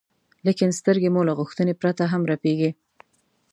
لیکن سترګې مو له غوښتنې پرته هم رپېږي.